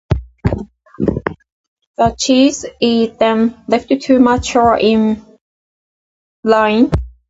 The cheese is then left to mature in brine.